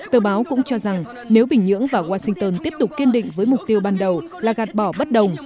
tờ báo cũng cho rằng nếu bình nhưỡng và washington tiếp tục kiên định với mục tiêu ban đầu là gạt bỏ bất đồng